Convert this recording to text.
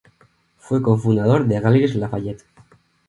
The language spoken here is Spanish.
Fue cofundador de Galeries Lafayette.